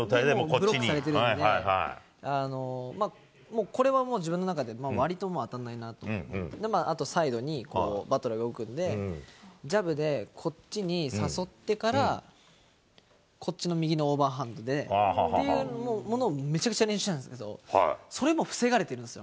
ブロックされてるんで、もう、これはもう自分の中でわりとまあ当たんないなと思ってて、あとサイドにこう、バトラーが動くんで、ジャブでこっちに誘ってから、こっちの右のオーバーハンドでっていうものを、めちゃくちゃ練習したんですけど、それも防がれてるんですよ。